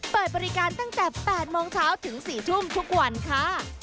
เปิดบริการตั้งแต่๘โมงเช้าถึง๔ทุ่มทุกวันค่ะ